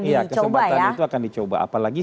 dicoba ya iya kesempatan itu akan dicoba apalagi